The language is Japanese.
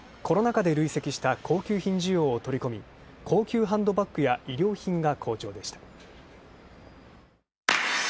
コロナ禍で累積した高級品需要を取り込み、高級ハンドバッグや衣料品が好調でした。